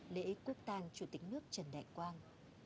lễ quốc tàng chủ tịch nước trần đại quang